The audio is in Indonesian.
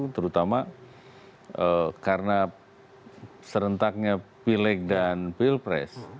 terutama karena serentaknya pileg dan pilpres